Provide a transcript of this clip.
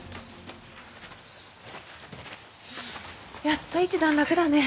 やっと一段落だね。